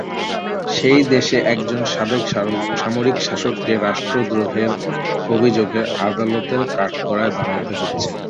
সেই দেশে একজন সাবেক সামরিক শাসককে রাষ্ট্রদ্রোহের অভিযোগে আদালতের কাঠগড়ায় দাঁড়াতে হচ্ছে।